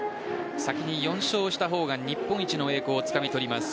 先に４勝した方が日本一の栄光をつかみ取ります。